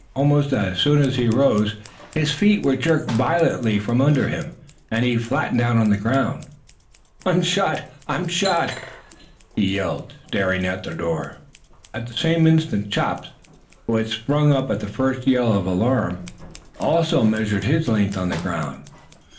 Almost as soon as he rose, his feet were jerked violently from under him and he flattened out on the ground. "I'm shot, I'm shot!" he yelled, starting from the door. At about the same instant Chops, who had sprung up at the first yell of alarm, also measured his length on the ground.